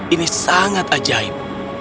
ini sangat ajaib